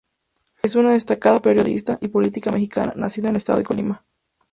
Es una destacada periodista y política mexicana, nacida en el Estado de Colima.